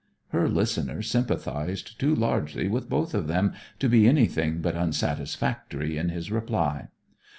Her listener sympathized too largely with both of them to be anything but unsatisfactory in his reply.